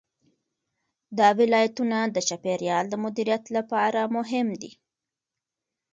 دا ولایتونه د چاپیریال د مدیریت لپاره مهم دي.